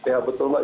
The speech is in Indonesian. ya betul mbak